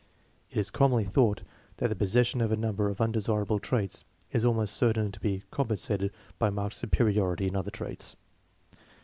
It is commonly thought that the possession of a number of undesirable traits is almost certain to be compensated by marked superi ority in other traits.